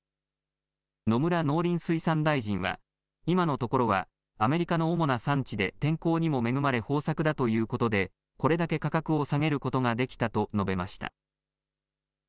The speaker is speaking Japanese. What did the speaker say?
野村農林水産大臣は今のところはアメリカの主な産地で天候にも恵まれ豊作だということでこれだけ価格を下げることができたと述べました。